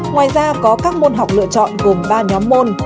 ngoài ra có các môn học lựa chọn gồm ba nhóm môn